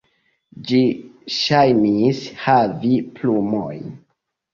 Ĝi ŝajnis havi plumojn.